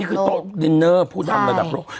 คือโต๊ะดินเนอร์ผู้นำระดับโลก